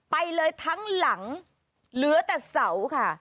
ไปเลยทั้งหลังเหลือแต่เสาค่ะ